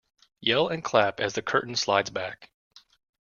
Yell and clap as the curtain slides back.